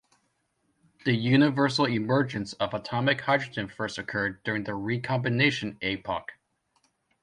The universal emergence of atomic hydrogen first occurred during the recombination epoch.